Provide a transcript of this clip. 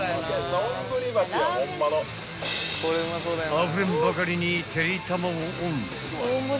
［あふれんばかりにてりたまをオン］